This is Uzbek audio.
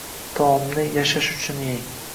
Taomni yashah uchun yeng!